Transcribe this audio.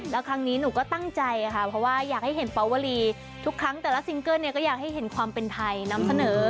แล้วครั้งนี้หนูก็ตั้งใจค่ะเพราะว่าอยากให้เห็นปวรีทุกครั้งแต่ละซิงเกิ้ลก็อยากให้เห็นความเป็นไทยนำเสนอ